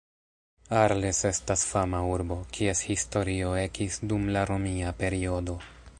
Arles estas fama urbo, kies historio ekis dum la Romia periodo.